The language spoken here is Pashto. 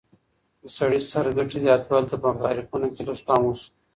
د سړي سر ګټې زياتوالي ته په تعريفونو کي لږ پام وشو.